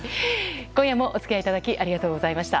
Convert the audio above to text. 今夜もお付き合いいただきありがとうございました。